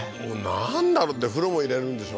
なんだろう？で風呂も入れるんでしょ？